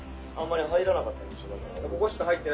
あんまり入らなかったでしょだから。